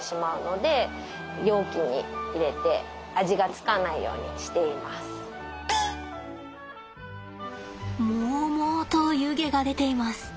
ほかのものにもうもうと湯気が出ています。